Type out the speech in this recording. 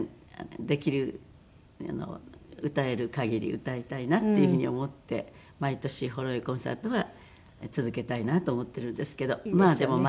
できる歌えるかぎり歌いたいなっていうふうに思って毎年「ほろ酔いコンサート」は続けたいなと思ってるんですけど。